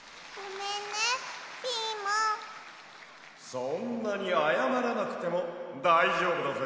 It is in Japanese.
そんなにあやまらなくてもだいじょうぶだぜ！